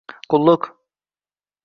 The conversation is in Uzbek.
Qulluq!